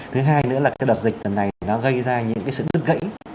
thứ hai nữa là cái đợt dịch này nó gây ra những cái sự thức gãy